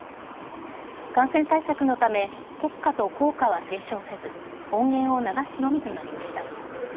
感染対策のため国歌と校歌は斉唱せず音源を流すのみとなりました。